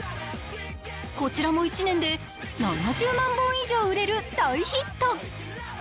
こちらも１年で７０万本以上売れる大ヒット。